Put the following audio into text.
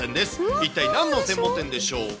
一体何の専門店でしょうか。